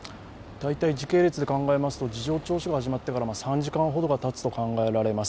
大体時系列で考えますと、事情聴取が始まってから３時間ほどがたつと考えられます。